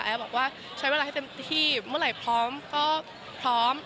บอกว่าใช้เวลาให้เต็มที่เมื่อไหร่พร้อมก็พร้อม